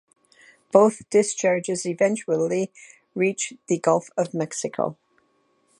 Both discharges eventually reach the Gulf of Mexico.